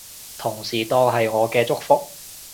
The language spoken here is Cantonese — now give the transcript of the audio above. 同時當係我嘅祝福